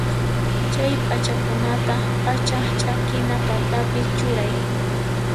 Chay p'achakunata p'acha ch'akina patapi churay.